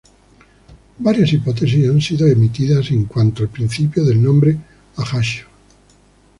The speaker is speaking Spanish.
Varias hipótesis han sido emitidas en cuanto al principio del nombre Ajaccio.